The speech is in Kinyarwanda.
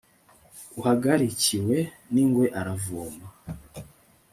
uhagarikiwe n'ingwe aravoma